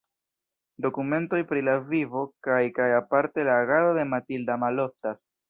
Dokumentoj pri la vivo kaj kaj aparte la agado de Matilda maloftas.